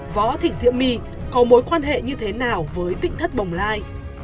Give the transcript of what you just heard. võ thị diễm my có mối quan hệ như thế nào với tỉnh thất bồng lai